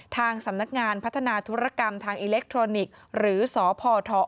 ทางสำนักงานพัฒนาธุรกรรมทางอิเล็กทรอนิกส์หรือสพ